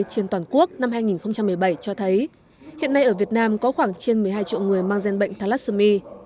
trên toàn quốc năm hai nghìn một mươi bảy cho thấy hiện nay ở việt nam có khoảng trên một mươi hai triệu người mang gian bệnh thalassomy